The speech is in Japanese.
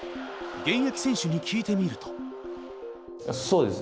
現役選手に聞いてみると。